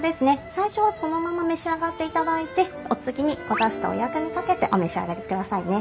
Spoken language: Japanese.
最初はそのまま召し上がっていただいてお次におだしとお薬味かけてお召し上がりくださいね。